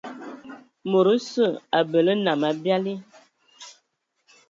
Mod osə abələ nnam abiali.